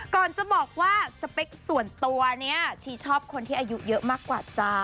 ก่อนจะบอกว่าสเปคส่วนตัวนี้ชีชอบคนที่อายุเยอะมากกว่าจ้า